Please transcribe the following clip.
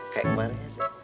kayak kemarin aja